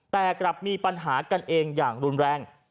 แต่กลับมีปัญหากันเองอย่างรุนแรง